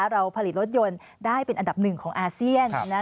เราผลิตรถยนต์ได้เป็นอันดับหนึ่งของอาเซียน